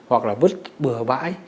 hoặc là bứt bừa bãi